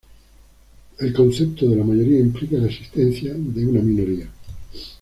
El concepto de la mayoría implica la existencia de una minoría.